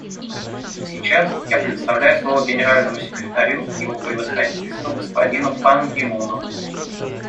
Сейчас я предоставляю слово Генеральному секретарю Его Превосходительству господину Пан Ги Муну.